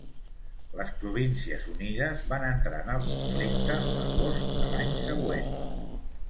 Les Províncies Unides van entrar en el conflicte l'agost de l'any següent.